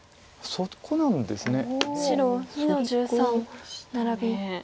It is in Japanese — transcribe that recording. そこなんですね。